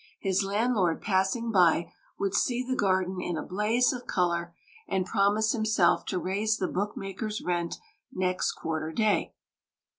His landlord passing by would see the garden in a blaze of colour, and promise himself to raise the bookmaker's rent next quarter day.